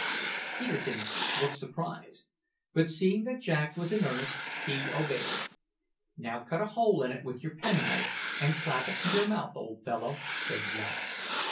Peterkin looked surprised, but seeing that Jack was in earnest, he obeyed. "Now cut a hole in it with your penknife and clap it to your mouth, old fellow," said Jack.